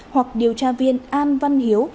hoặc điều tra viên an văn hiếu